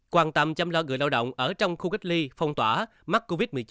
quan tâm chăm lo người lao động ở trong khu cách ly phong tỏa mắc covid một mươi chín